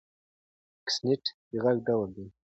اکسنټ د غږ ډول دی.